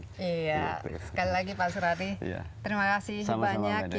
iya sekali lagi pak suradi terima kasih banyak